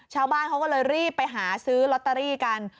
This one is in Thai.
ชาวบ้านเขาก็เลยรีบไปหาซื้อลอตเตอรี่กัน